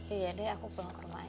iya deh aku pulang ke rumah aja